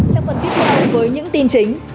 trong phần tiếp theo với những tin chính